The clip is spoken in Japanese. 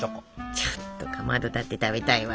ちょっとかまどだって食べたいわ。